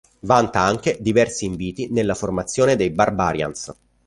Vanta anche diversi inviti nella formazione dei Barbarians.